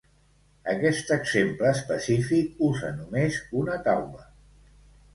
Aquest exemple específic usa només una taula.